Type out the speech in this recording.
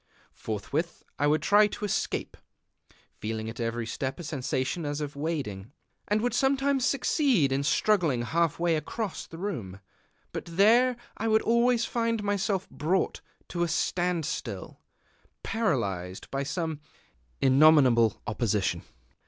Forthwith I would try to escape, (feeling at every step a sensation as of wading), and would sometimes succeed in struggling half way across the room; but there I would always find myself brought to a standstill, paralyzed by some innominable opposition.